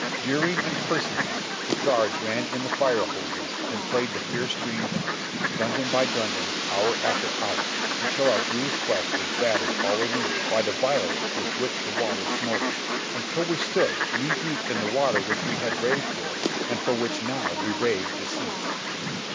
Jeering and cursing us, the guards ran in the fire hoses and played the fierce streams on us, dungeon by dungeon, hour after hour, until our bruised flesh was battered all anew by the violence with which the water smote us, until we stood knee deep in the water which we had raved for and for which now we raved to cease.